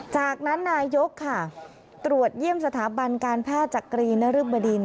จากนั้นนายกค่ะตรวจเยี่ยมสถาบันการแพทย์จักรีนรึบดิน